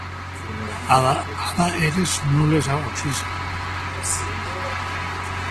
Ada eres non les aucissen.